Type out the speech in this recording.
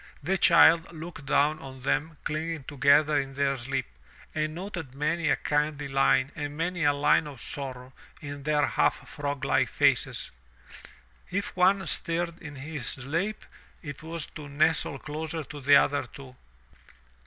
The child looked down on them clinging together in their sleep, and noted many a kindly line and many a line of sorrow in their half frog like faces. If one stirred in his sleep it was to nestle closer to the other two.